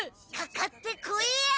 かかってこいや！